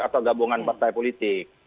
atau gabungan partai politik